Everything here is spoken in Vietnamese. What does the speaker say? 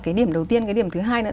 cái điểm đầu tiên cái điểm thứ hai nữa